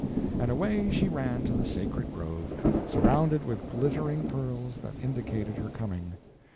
And away she ran to the sacred grove, surrounded with glittering pearls, that indicated her coming.